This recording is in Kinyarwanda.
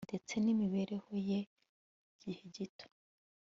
ndetse n'imibereho ye y'igihe gito